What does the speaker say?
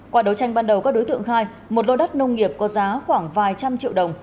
qua đấu tranh ban đầu các đối tượng khai một lô đất nông nghiệp có giá khoảng vài trăm triệu đồng